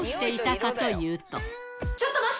ちょっと待った。